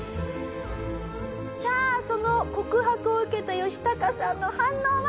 さあその告白を受けたヨシタカさんの反応は。